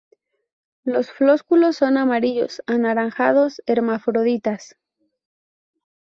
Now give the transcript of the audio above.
Los flósculos son amarillos anaranjados, hermafroditas.